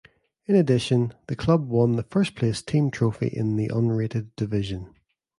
In addition, the club won the first place team trophy in the unrated division.